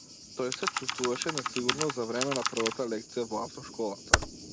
Тој се чувствуваше несигурно за време на првата лекција во автошколата.